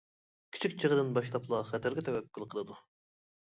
كىچىك چېغىدىن باشلاپلا خەتەرگە تەۋەككۈل قىلىدۇ.